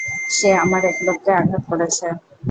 সে আমার এক লোককে আঘাত করেছে!